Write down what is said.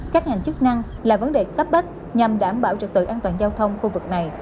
các ngành chức năng là vấn đề cấp bách nhằm đảm bảo trực tự an toàn giao thông khu vực này